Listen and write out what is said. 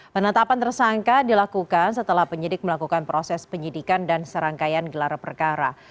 penetapan tersangka dilakukan setelah penyidik melakukan proses penyidikan dan serangkaian gelar perkara